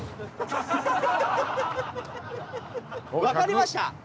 分かりました。